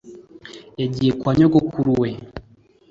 yagiye kwa nyogokuru we